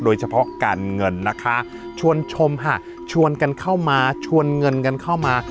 โดยเฉพาะการเงินนะคะชวนชมค่ะชวนกันเข้ามาชวนเงินกันเข้ามา